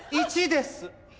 １です。